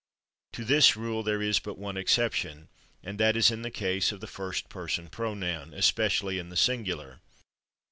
To this rule there is but one exception, and that is in the case of the first person pronoun, especially in the singular.